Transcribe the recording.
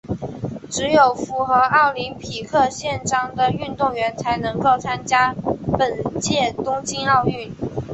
只有符合奥林匹克宪章的运动员才能够参加本届东京奥运。